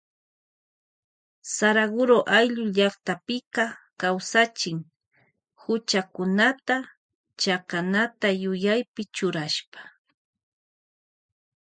Saraguro ayllu llaktapika kawsachin huchakunata chakanata yuyaypi churashpa.